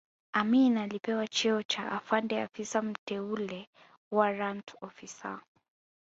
Amin alipewa cheo cha Afande Afisa Mteule warrant officer